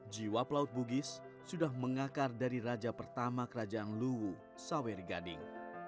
jiwa pelaut bugis sudah mengakar dari raja pertama kerajaan luwu saweri gading